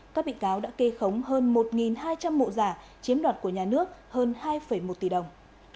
các bị cáo đã kê khống hơn một hai trăm linh mộ giả chiếm đoạt của nhà nước hơn hai một tỷ đồng